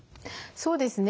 そうですね。